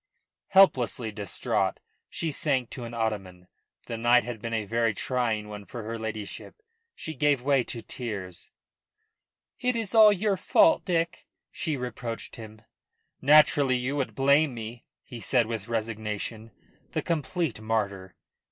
Helplessly distraught, she sank to an ottoman. The night had been a very trying one for her ladyship. She gave way to tears. "It is all your fault, Dick," she reproached him. "Naturally you would blame me," he said with resignation the complete martyr.